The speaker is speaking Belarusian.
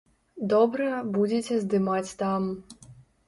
Добра, будзеце здымаць там.